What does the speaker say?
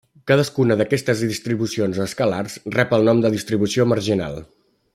Cadascuna d'aquestes distribucions escalars rep el nom de distribució marginal.